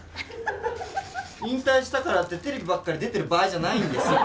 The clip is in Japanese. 引退したからって、テレビばっかり出てる場合じゃないんです。